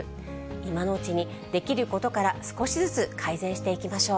今のうちに、できることから少しずつ改善していきましょう。